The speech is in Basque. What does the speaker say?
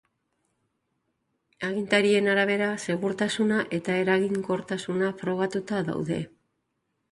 Agintarien arabera, segurtasuna eta eraginkortasuna frogatuta daude.